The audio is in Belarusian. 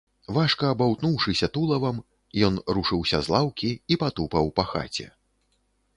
Важка баўтнуўшыся тулавам, ён рушыўся з лаўкі і патупаў па хаце.